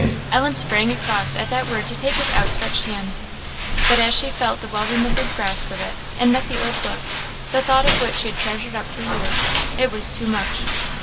Ellen sprang across at that word to take his outstretched hand. But as she felt the well remembered grasp of it, and met the old look, the thought of which she had treasured up for years it was too much.